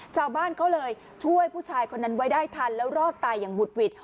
ชาวบ้านเขาเลยช่วยผู้ชายคนนั้นไว้ได้ทันแล้วรอดตายอย่างหุดหวิด